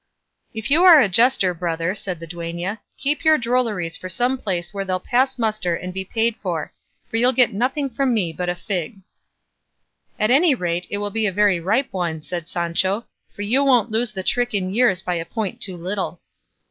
"If you are a jester, brother," said the duenna, "keep your drolleries for some place where they'll pass muster and be paid for; for you'll get nothing from me but a fig." "At any rate, it will be a very ripe one," said Sancho, "for you won't lose the trick in years by a point too little."